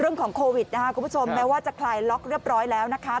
เรื่องของโควิดนะคะคุณผู้ชมแม้ว่าจะคลายล็อกเรียบร้อยแล้วนะคะ